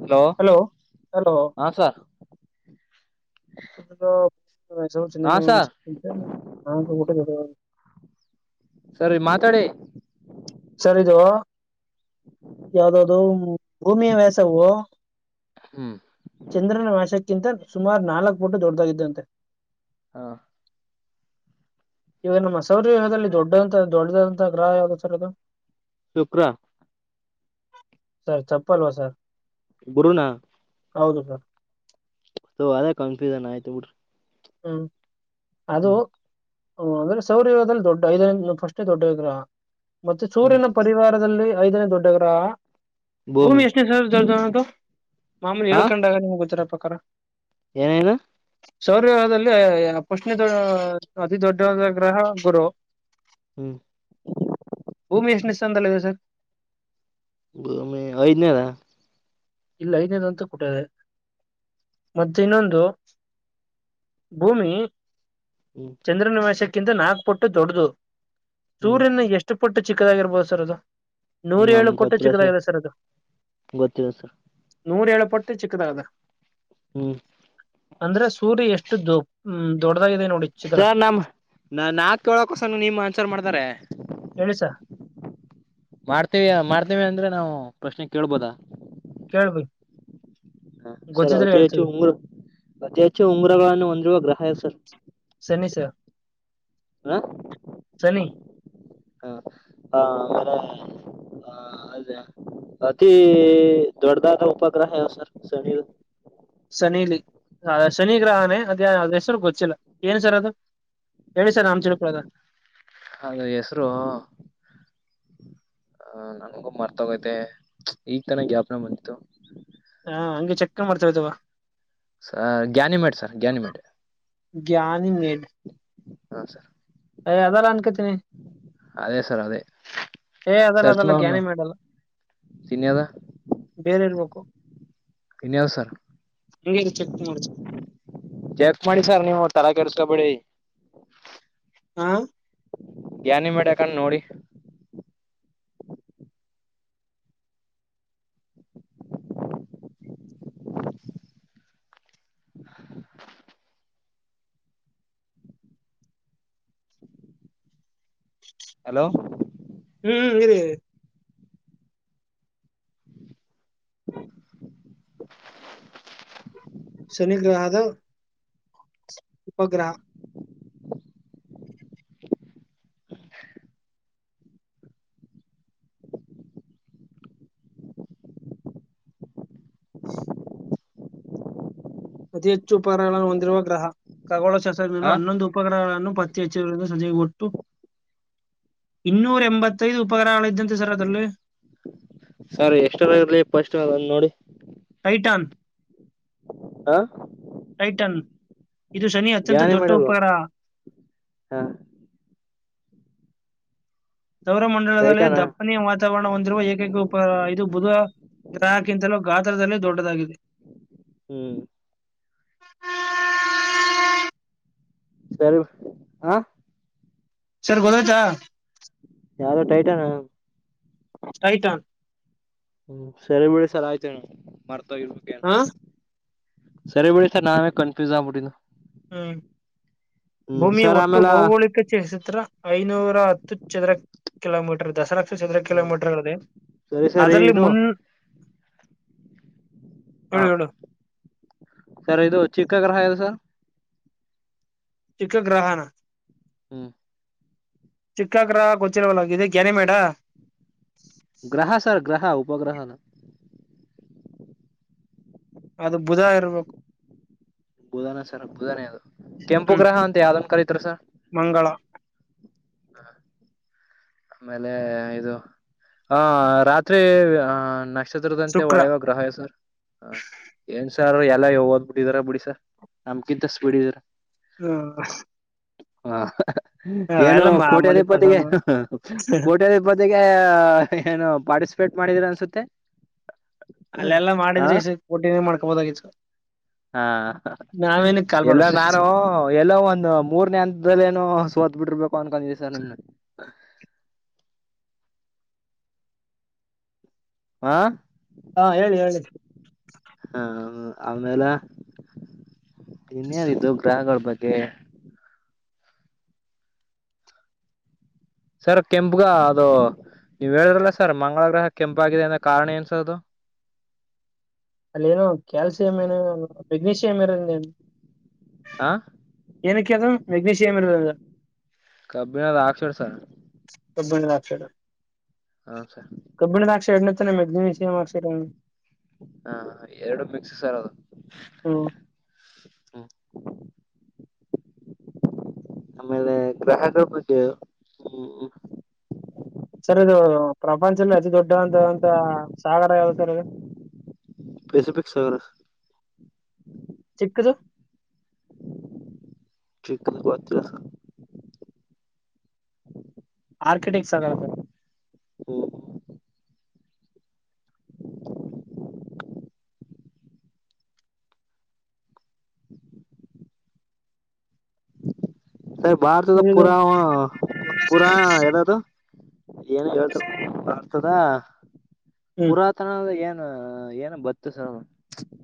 hello hello ಹಾ sir ಚಂತನಾ ಹಾ ಸರ್ ಗರ [inaudible] ಸರಿ ಮಾತಾಡಿ ಸರಿದ ಯಾವ್ದದು ಭೂಮಿಯ ವ್ಯಾಸವು ಹ್ಮ್ ಚಂದ್ರನ ವಶಕ್ಕಿಂತ ಸುಾಮರ್ ನಾಲ್ಕ್ ಪುಟ್ಟು ದೊಡ್ಡ್ದಾಗಿದ್ದಂತೆ ಹಾ ಈವ ನಮ್ಮ ಸೌರ್ಯಹದಲ್ಲಿ ದೊಡ್ಡಂತ ದೊಡದಂತಹ ಗ್ರಹ ಯಾವವುದ ಸರ್ ಅದು ಶುಕ್ರ ಚಪ್ಪಲು ವಸಾದ ಗುರುಣ ಹೌದು ಸರ್ ಹೋ ಅದ ಕನ್ಫ್ಯೂಸನ್ ಆಯ್ತು ಬಿಡ್ರಿ ಹ್ಮ್ ಅದು ಹ್ಮ್ ಅಂದ್ರೆ ಸೌರ್ಯದಲ್ಲಿ ದೊಡ್ಡ ಐದರಿ ಫಸ್ಟೇ ದೊಡ್ಡ ವಿಗ್ರಹ ಮತ್ತೆ ಹ್ಮ್ ಸೂರಿನ ಪರಿವಾರದಲ್ಲಿ ಐದನೇ ದೊಡ್ಡಗರ ಭೂಮಿ ಎಷ್ಟೇ ಸರ್ ಜರ್ದು ಮಾಮೂಲಿ ಏಳ್ಕಂಡಗ ಹೋಗುತ್ತರ ಪ್ರಕಾರ ಏನೇನು ಗ್ರಹದಲ್ಲಿ ಪುಷ್ಣ ಅತಿ ದೊಡ್ಡವಾದ ಗ್ರಹ ಗುರು ಹ್ಮ್ [inaudible] ಭೂಮಿ ಎಷ್ಟು ಸ್ಥಾನದಲ್ಲಿ ಸರ್ ಭೂಮಿ ಐದನೇದ ಇಲ್ಲ ಐನೇದು ಅಂತ ಕುಟ್ಟಿದೆ ಮತ್ತೆ ಇನ್ನೊಂದು ಭೂಮಿ ಹ್ಮ್ [unintelligible] ಚಂದ್ರನಿವಷಕ್ಕಿಂತ ನಾಲ್ಕುಪಟ್ಟು ದೊಡ್ಡದು ಹ್ಮ್ ಸೂರ್ಯನ ಎಷ್ಟು ಎಷ್ಟು ಪುಟ್ಟ ಚಿಕ್ಕದಾಗಿರ್ಬಹದು ಸರ್ ಅದು ನೂರ ಹ್ಮ್ ನಮ್ ಏಳು ಪುಟ್ಟ ಗೊತ್ತಿಲ್ಲ ಚಿಕ್ಕದಾಗಿದೆ ಸರ್ ಅದು ಗೊತ್ತಿಲ್ಲ ಸರ್ ನೂರ ಏಳು ಪಟ್ಟು ಚಿಕ್ಕದಾಗದ ಹ್ಮ ಅಂದ್ರೆ ಸೂರ್ಯ ಎಷ್ಟು ದೊ ದೊಡ್ಡದಾಗಿದೆ ನೋಡಿ ಚಿತ್ರ ಸರ್ ನಮ್ಮ್ ನ ನಾ ಕೇಳೋಕೋಸ ನಿಮ್ ಆನ್ಸರ್ ಮಾಡ್ತಾರೆ ಎಳಿಸ ಮಾಡ್ತೇವ ಮಾಡ್ತೇವಿ ಅಂದ್ರೆ ನಾವು ಪ್ರಶ್ನೆ ಕೇಳ್ಬೋದಾ ಕೇಳಬೇಕ ಹಾ ಸರ್ ಅತಿ ಹೆಚ್ಚು ಉಂಗುರ ಅತಿ ಹೆಚ್ಚು ಉಂಗುರಗಳನ್ನು ಹೊಂದಿರುವ ಗ್ರಹಾಯ ಸರ್ ಸನಿ ಸ ಹ ಹ ಹ ಅವರ [unintelligible] ಹ ಅದೇ ಅತೀ ದೊಡ್ಡದಾದ ಉಪಗ್ರಹ ಯಾವ ಸರ್ ಸಣಿ ಶನಿಲಿ ಶನಿ ಗ್ರಹಾನೆ ಅದೇ ಅದ್ರ ಹೆಸರು ಗೊತ್ತಿಲ್ಲ ಏನ್ ಸರ್ ಅದು ಹೇಳಿ ಸರ್ ನಾವು ತಿಳ್ಕೊಳೋಣಾ ಅದು ಹೆಸರು ಹ ನನ್ಗೊ ಮರ್ತೋಗೈತೆ ಈಗ ತನ ಜ್ಞಾಪನ ಬಂದಿತ್ತು ಹಾ ಹಂಗೆ ಚೆಕ್ ಮಾಡ್ತಾ ಇದಾವ ಸ ಜ್ಞಾನಿಮೆಟ್ ಸರ್ ಜ್ಞಾನಿಮೇಟ್ ಜ್ಞಾನಿ ನೇಡ್ ಹಾ ಸರ್ ಎ ಅದರೆ ಅನ್ಕೇತೀನಿ ಅದೇ ಸರ್ ಅದೇ ಏ ಅದಲ್ಲ ಅದಲ್ಲ ಸರ್ಚುಮ್ಮ ಅವನು ಜ್ಞಾನಿ ಮೇಡಲ್ಲ ತಿನ್ಯದ ಬೇರೆ ಇರ್ಬೇಕು ಇನ್ನಿವ ಸರ್ ಹಂಗೆ ಚೆಕ್ ಮಾಡ್ತೀನಿ ಚೆಕ್ ಮಾಡಿ ಸರ್ ನೀವು ತಲೆ ಕೆರ್ಸ್ಕೊಬೇಡಿ ಹಾ ಜ್ನಿ ಮಾಡ್ಯಾಕಣ್ ನೋಡಿ [inaudible] ಹ [unintelligible] ಹಲೋ ಹ್ಮ್ ಇರಿ ಇರಿ [unintelligible] ಶನಿಗ್ರಹದ ಉಪಗ್ರಹ ಅತಿ ಹೆಚ್ಚು ಉಪಕರಣಗಳನ್ನು ಹೊಂದಿರುವ ಗ್ರಹ ಖಗಳ ಶಾಸ್ತ್ರಜ್ಞರು ಹಾ ಹನ್ನೊಂದು ಉಪಕಡಗಳನ್ನು ಪತ್ತೆ ಹೆಚ್ಚರಿ ಸಂಜೆಗೆ ಕೊಟ್ಟು ಇನ್ನೂರ ಎಂಬತ್ತದು ಉಪಗ್ರಹಗಳ ಇದಂತೆ ಸರ್ ಅದರಲ್ಲಿ ಸರ್ ಎಷ್ಟರರ್ಲಿಫಸ್ಟ್ ಅನೋಡಿ ಟೈಟಾನ್ ಹಾ ಟೈಟನ್ ಇದು ಶನಿ ಅತ್ಯಂತ ದೊಡ್ಡ ಗ್ಯಾನಿಮೇಟ್ ಅಲ್ವಾ ಉಪಕರ ಹಾ ಸೌರ ಮಂಡಲದಲ್ಲಿ ಟೈಟಾನಾ ದಪ್ಪ [unintelligible] ವಾತಾವರಣ ಹೊಂದಿರುವ ಏಕೈಕ ಉಪ ಇದು ಬುಧ ಗ್ರಾಹಕ್ಕಿಂತಲೂ ಗಾತ್ರದಲ್ಲಿೇ ದೊಡ್ಡದಾಗಿದೆ ಹ್ಮ್್ಮ್ಮ [unintelligible] ಸರ್ [unintelligible] ಯಾವ್ದೋ ಟೈಟಾನ ಟೈಟಾನ್ ಹ್ಮ್ ಸರಿ ಬಿಡಿ ಸರ್ ಆಯ್ತೆನ್ ಮರ್ತೋಗಿರ್ಬೇಕ್ ಹಾ [unintelligible] ಸರಿ ಬಿಡಿ ಸರ್ ನಾವೇ ಕನ್ಫ್ಯೂಸ್ ಆಗಬಿಟ್ಟೀನು ಹ್ಮ್ ಭೂಮಿ ಸರ್ ಒಟ್ಟು ಆಮೇಲ ಭೌಗೋಳಿಕ [unintelligible] ಚಿತ್ರ ಐನೂರ ಹತ್ತು ಚದುರ ಕಿಲೋಮೀಟರ್ ದಸರಾ ಚದ್ರ ಹ್ಮ್ ಕಿಲೋಮೀಟರ್ ಅದೆ ಸರಿ ಸರಿ ಅದ್ರಲ್ಲಿ ಇದು ಮುನ್ ಹಾ ಹೇಳು ಹೇಳು ಸರ್ ಇದು ಚಿಕ್ಕ ಗ್ರಹ ಯಾವ್ದು ಸರ್ ಚಿಕ್ಕ ಗ್ರಹನಾ ಹ್ಮ್್ಮ್ಮ ಚಿಕ್ಕಗ್ರ ಗೋತ್ತಿಲ್ಲ ಇದ್ [unintelligible] ಮೇಡ ಗ್ರಹ ಸರ್ ಗ್ರಹ ಉಪಗ್ರಹನ ಅದು ಬುಧ ಇರ್ಬೇಕು ಬುಧಾನ ಸರ್ ಬುಧಾನೆ ಅದು ಕೆಂಪು ಹ್ಮ್ ಗ್ರಹ ಅಂತ ಯಾವ್ದನ್ ಕರಿತರೆ ಸರ್ ಮಂಗಳ [inaudible] ಆಮೇಲೆ ಇದು ಆ ರಾತ್ರಿ ಆ ನಕ್ಷ ಚಿತ್ರದಂತೆ ಶುಕ್ರ ಒಳ್ಳೆಯ ಗ್ರಹಾಯ ಸರ್ ಹ ಏನ್ ಸಾರ್ ಎಲ್ಲ ಓದ್ಬಿಟ್ಟಿದಾರ ಬಿಡಿ ಸಾರ್ ನಮ್ಗಿಂತ ಸ್ಪೀಡ್ ಇದಿದೀರ ಹ್ಮ ಹ ಏನು ಅವೆಲ್ಲ ಮಾಮೂಲಿ ಕೋಟ್ಯದಿಪ್ಪತ್ತಿಗೆ ಕ್ವಶ್ಚನ್ ಕೋಟಿಯದಬ್ ಬದಿಗೆ ಏನು ಪಾರ್ಟಿಸಿಪೇಟ್ ಮಾಡಿದ್ರ ಅನ್ಸುತ್ತೆ ಅಲ್ಲೆಲ್ಲಾ ಹ ಮಾಡಿದ್ರೆ ಇ ಕೋಟಿಿನ ಮಾಡ್ಕೋಬೋದಾಗಿತ್ತು ಹಾ ನಾವೇನಕ್ ಕಾಲ್ ಮಾಡ ಎಲ್ಲ ನಾರು ಎಲ್ಲ ಒಂದ್ ಮೂರನೇ ಹಂತದಲ್ಲ ಏನುೋ ಸೋತ್ ಬಿಟ್ಟಿರ್ಬೇಕು ಅನ್ಕೊಂಡಿದ್ದಿದೆ ಸರ್ ನಿಮ್ ಹಾ ಹಾ ಹೇಳಿ ಹೇಳಿ ಹಾ ಆಮೇಲೆ ಇನ್ೇನತ್ತು ಗ್ರಹ ಕೊಡ್ಬೇಕೆ ಸರ್ ಕೆಂಪುಗ ಅದು ನೀವ್ ಹೇಳಿದ್ರಲ್ಲ ಸರ್ ಮಂಗಳ ಗ್ರಹ ಕೆಂಪು ಆಗಿದೆ ಅಂದ ಕಾರಣ ಏನ್ ಸರ್ ಅದು ಅಲ್ಲೇನೋ ಕ್ಯಾಲ್ಸಿಿಯಂ ಏನನು ಮೆಗ್ನಿಷಿಿಯಂ ಏನಂದೇನು ಹಾ ಕ್ಕೆ ಅದ ವೆನೇಶಶ್ ಅಮರುದ ಅ ಕಬ್ಬಿಿನ ರಾಕ್ಷರ ಸರ್ ಕಬ್ಬಿಣ ದಾಕ್ಷರ ಹ ಸರ್ ಕಬ್ಬಿಣ ದಾಕ್ಷರ ಎನ ತ ಮೆದಿನಿಯಾ ಅಕ್ಷರ ಹಾ ಎರಡು ಮಿಕ್ಸ ಸರ್ ಅದು ಹ ಹ್ಮ್ ಆಮೇಲೆ ಗ್ರಾಹದ ಕೃಜ ಹ್ಮ ಸರ್ ಇದು ಪ್ರಪಂಚದಲ್ಲಿ ಅತಿ ದೊಡ್ಡ ಅಂತಂತ ಸಾಗರ ಯಾವ್ದದು ಸರ್ ಇದು ಪೆಸಿಫಿಕ್ ಸಗರ ಚಿಕ್ಕದು ಚಕ್ಕನ್ ಕೊತ್ರ ಆರ್ಕಿಟೆಕ್ಟ್ ಆಗಲ್ಲ ಸರ್ ಹ್ಮ್ [unintelligible] [unintelligible] ಸರ್ ಭಾರತದ ಪುರಾ ಪುರಾ ಯದದು ಏನ್ ಹೇಳ್ತತದ ಹ್ಮ್ ಪುರಾತ್ ಏನ್ ಏನು ಬತ್ತು ಸರ್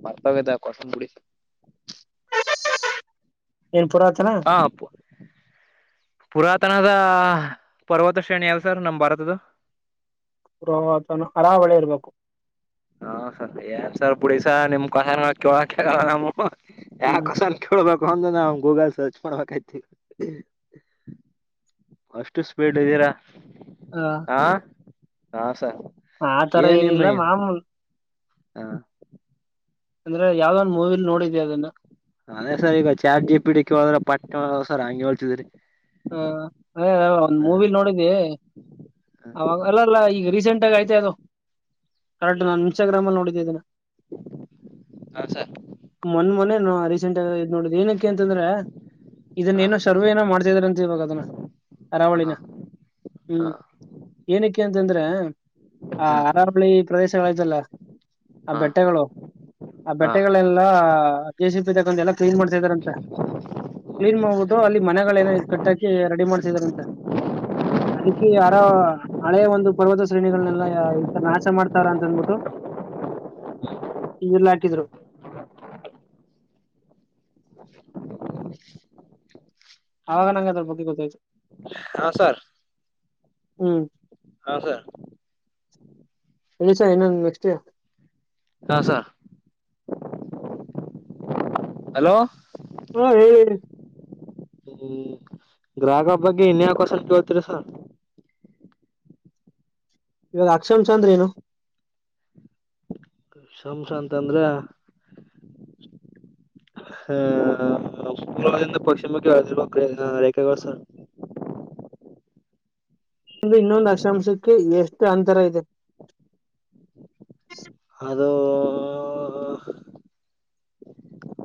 ಮರ್ತೋಗಿದ್ದ ಕೊಸ್ಡಿ ಏನ್ ಪುರಾತನ ಹಾಂಪ್ಪ ಪುರಾತನದ ಪರ್ವತ ಶ್ರೇಣಿ ಅವ ಸರ್ ನಮ್ಮ್ ಭಾರತದ ಪುಹತನ ಹರಾವಳೆ ಇರ್ಬೇಕು ಹಾ ಸರ್ ಏನ್ ಸರ್ ಬಿುಡಿಸ ನಿಮ್ ಕಸ ಕೇಳಕ ಆಗಲ್ಲ ನಮ ಯ ಹ್ಮ್ [unintelligible] ಅಷ್ಟು ಸ್ಪೀಡ್ ಇದ್ದೀರಾ ಹಾ ಹಾ ಹಾ ಸರ್ ಆತರ ಏನಿಲ್ಲ ಮಾಮೂಲಿ ಹಾ ಅಂದ್ರೆ ಯಾವ್ದ ಒ್ ಮೂವಿಲ್ ನೋಡಿದಿ ಅದನ್ನ ಅದೇ ಸರ್ ಈಗ ಚಾ ಜಿ ಪಿಡಿ ಕೇಳೋದ್ರ ಪಟ್ಟ ಸರ್ ಹಂಗಗೆ ಹೇಳ್ಸಿದ್ರಿ ಹಾ ಅ ಒಂದ್ ಮೂವಿಲ್ ನೋಡಿದಿ ಅವಾಗ ಅಲ್ಲ ಅಲ್ಲಾ ಈಗ ರೀಸೆಂಟ್ ಆಗ ಆಯ್ತ ಅದು ಕರೆಕ್ಟ್ ಇನ್ಸ್ಟಾಗ್ರಾಮ್ ನೋಡಿದ್ದಿ ಅದನ್ನು ಹಾ ಸರ್ ಮೊನ್ ಮೊನೇನು ರೀಸೆಂಟ್ ಆಗ ಇದ್ ನೋಡುದು ಏನಕ್ಕೆ ಅಂತಂದ್ರೆ ಇದನ್ನ ಹಾ ಏನೋ ಅವ ಏನೋ ಮಾಡ್ತಿದಾರ ಅಂತ ಇವಾಗ ಅದನ್ನ ಹಾ ಹರಾವಳಿನ ಹ್ಮ್ ಹಾ ಏನಕ್ಕೆ ಅಂತಂದ್ರೆ ಆ ಅರಾವಳಿ ಪ್ರದೇಶಗಳಾಯ್ತಲ್ಲ ಆ ಹಾ ಬೆಟ್ಟೆಗಳು ಆ ಹಾ ಬೆಟ್ಟೆಗಳೆಲ್ಲ ಜ ಸಿ ಪಿ ತಂತೆ ಎಲ್ಲ ಕ್ಲೀನ್ ಮಾಡ್ತಾ ಇದಾರ ಅಂತ ಕ್ಲೀನ್ ಮಾಡುದು ಅಲ್ಲಿ ಮನೆಗಳ ಏನ ಕಟ್ಟಾಕಿ ರೆಡಿ ಮಾಡ್ಸಿದಾರ ಅಂತ ಅದಕ್ಕೆ ಯಾರ ಹಳೆ ಒಂದು ಪರ್ವತ ಶ್ರೇಣಿಗಳನೆಲ್ಲ ಈತರ ನಾಶ ಮಾಡ್ತಾರ ಅಂತನ್ಬಿಟ್ಟು ಇಲ ಹಾಕಿದ್ರು [inaudible] ಆವಾಗ ನಂಗಗೆ ಅದ್ರ ಬಗ್ಗೆ ಗೊತ್ತಾಯ್ತು ಹಾ ಸರ್ ಹ್ಮ್ ಹಾ ಸರ್ ಎಸ ಇನ ನೆಕ್ಸ್ಟ್ ಹಾ ಸರ್ ಹಲೋ ಹಾ ಹೇಳಿ ಹ್ಮ್ ಗ್ರಾಹಕ ಬಗ್ಗೆ ಇನ್ಯಾವಕಸ ಕೇಳ್ತರಿ ಸರ್ ಇವಾಗ ಅಕ್ಷಂ ಚಂದ್ರ ನು ಶಮಸ್ ಅಂತಂದ್ರೆ [inaudible] ಹ್ಮ ಉರದಿಂದ ಪಶ್ಚಿಮಕ್ಕೆಳದಿರ್ಬೇಕ ರೇಖೆಗಳು ಸರ್ [unintelligible] ಇನ್ನೊಂದು ಅಕ್ಷಾಂಶಕ್ಕೆ ಎಷ್ಟು ಅಂತರ ಇದೆ ಅದುೂ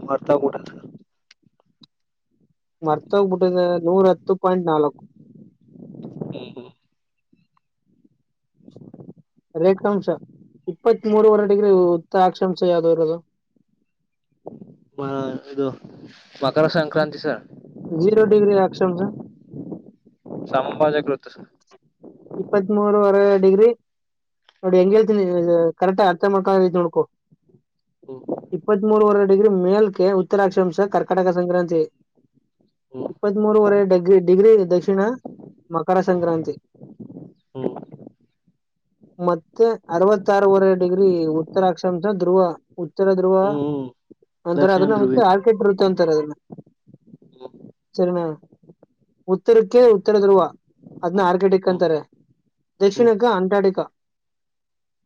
ಬರ್ತಾ ಕೂಟ ಮರ್ತ ಹೋಗ್ಬಿಟ್ಟದ ನೂರ ಹತ್ತು ಪಾಯಿಂಟ್ ನಾಲ್ಕು ಹ್ಮ್ ಹ್ಮ್ [inaudible] ರೇಖಾಂಶ ಇಪ್ಪತ್ ಮೂರವರೆ ಡಿಗ್ರಿ ಉತ್ತಾಕ್ಷಾಂಶ ಯಾವ್ದೋ ಇರೋದು ಮ ಇದು ಮಕರ ಸಂಕ್ರಾಂತಿ ಸರ್ ಜೀರೋ ಡಿಗ್ರಿ ಅಕ್ಷಮಸ ಸಮಭಾಜಾಗೃತ್ತು ಇಪ್ಪತ್ ಮೂರವರೆ ಡಿಗ್ರಿ ನೋಡಿ ಹೆಂಗ ಹೇಳ್ತೀನಿ ಕರೆಕ್ಟ್ ಅರ್ಥ ಮಾಡ್ಕೊಂಡ ಐತಿ ನೋಡ್ಕು ಹ್ಮ ಇಪ್ಪತ್ತ್ ಮೂರ್ವರೆ ಡಿಗ್ರಿ ಮೇಲ್ಕ ಉತ್ತರಾಕ್ಷಾಂಶ ಕರ್ಕಟಕ ಸಂಕ್ರಾಂತಿ ಹ್ಮ್ ಇಪ್ಪತ್ ಮೂರವರೆ ಡಿಗ್ರಿ ಡಿಗ್ರಿ ದಕ್ಷಿಣ ಮಕರ ಸಂಕ್ರಾಂತಿ ಹ್ಮ್ ಮತ್ತೆ ಅರವತ್ತಾರೂವರೆ ಡಿಗ್ರಿ ಉತ್ತರಾಕ್ಷಾಂಶ ಧ್ರುವ ಉತ್ತರ ಧ್ರುವ ಹ್ಮ್ ಒಂತರ ದಕ್ಷಿಣ ಅದನ್ನ ಹೊತ್ತು ಧ್ರುವಿ ಆರ್ಕೆಟ್ ರುತ ಅಂತರ ಅದನ್ನ ಸರಿನಾ ಉತ್ತರಕ್ಕೆ ಉತ್ತರ ತರುವರುವ ಅದನ್ನ ಆರ್ಕಿಟೆಕ್ಟ್ ಹ್ಮ್ [unintelligible] ಹ್ಮ್ ದಕ್ಷಿಣಕ್ಕ ಅಂಟಾರ್ಟಿಕಾ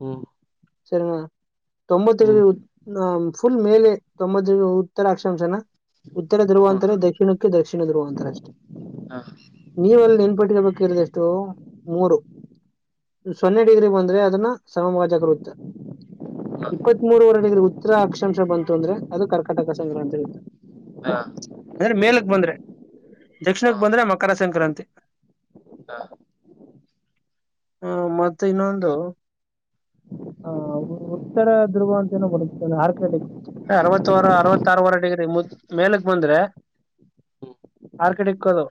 ಹ್ಮ್ ಸರಿನಾ ತೊಂಬತ್ತ ಹ್ಮ್ ಹ್ಮ್ ಫುಲ್ ಮೇಲೆ ತೊಂಬತ್ತ ಉತ್ತರಾಕ್ಷಾಂಶನ ಉತ್ತರ ಧ್ರುವ ಹಾ ಅಂತರ ದಕ್ಷಿಣಕ್ಕೆ ದಕ್ಷಿಣ ಧ್ರುವ ಅಂತರ ಅಷ್ಟೇ ಹಾ ನೀವ ಅಲ್ಲಿ ಏನ್ ಪಟ್ಟಿರ್ಬೇಕುರದೆ ಎು ಮೂರು ಸೊನ್ನೆ ಡಿಗ್ರಿ ಬಂದ್ರೆ ಅದನ್ನ ಸಮವಾಜಕ ಇರುತ್ತೆ ಇಪ್ಪತ್ತ್ ಮೂರುವರೆ ಡಿಗ್ರಿ ಉತ್ತರ ಅಕ್ಷಾಂಶ ಬಂತು ಅಂದ್ರೆ ಅದು ಕರ್ಕಟಕ ಸಂಗ್ರಾಂತಿ ಇತ್ತ ಹಾ ಅಂದ್ರೆ ಮೇಲಕ್ ಬಂದ್ರೆ ಹಾ ದಕ್ಷಿಣಕ್ ಬಂದ್ರೆ ಮಕರ ಸಂಕ್ರಾಂತಿ ಹ ಮತ್ತ ಇನ್ನೊಂದು ಹ ಉತ್ತರ ದುರ್ವ ಅಂತನ ಬರುತ್ತೆ ಆರ್ಕೆಟಕ್ ಅರವತ್ತವಾರ ಅರವತ್ತಾರುವರೆ ಡಿಗ್ರಿ ಮುದ್ ಮೇಲಕ್ ಬಂದ್ರೆ ಹ್ಮ್ ಆರ್ಕಡೆಕ್ಕದು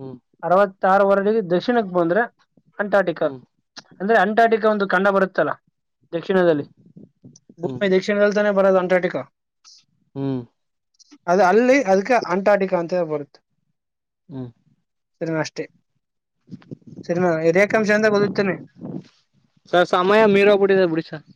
ಹ್ಮ್ ಅರವತ್ತು ರವರೆಡೆಗೆ ದಕ್ಷಿಣಕ್ ಬಂದ್ರೆ ಅಂಟಾರಟಿಕಾ ಹ್ಮ್ ಹ್ಮ್ ಅಂದ್ರೆ ಅಂಟಾರಟಿಕಾ ಒಂದು ಕಂಡ ಬರುತ್ತಲ್ಲ ದಕ್ಷಿಣದಲ್ಲಿ ಹ್ಮ್ ಹ್ಮ್ ಹ್ಮ್ ಭೂಮಿ ದಕ್ಷಿಣ ವಲ್ತಾನ ಬರ ಅಂಟಾರ್ಟಿಕಾ ಹ್ಮ್ ಅದ ಅಲ್ಲಿ ಅದಕ್ಕೆ ಅಂಟಾರಟಿಕಾ ಅಂತ ಬರುತ್ತೆ ಹ್ಮ್ ಸಿನಮಾ ಅಷ್ಟೇ ಸರಿಮಾ ರೇಖಾಂಶ ಅಂತ ಗಓದುತ್ತೇನೆ ಸರ್ ಸಮಯ ಮೀರೋಗಬಡಿ ಸರ್ ಬಿುಡಿ ಸರ್